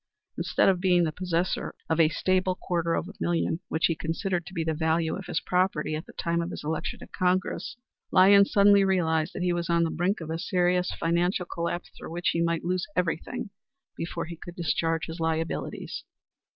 Instead of being the possessor of a stable quarter of a million, which he considered to be the value of his property at the time of his election to Congress, Lyons suddenly realized that he was on the brink of a serious financial collapse through which he might lose everything before he could discharge his liabilities.